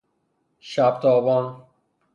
شبتابان